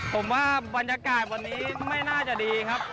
ผมว่าบรรยากาศวันนี้ไม่น่าจะดีครับ